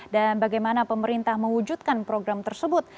dan bagaimana pemerintah mewujudkan program tersebut